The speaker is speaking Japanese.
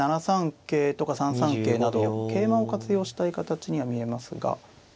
７三桂とか３三桂など桂馬を活用したい形には見えますが。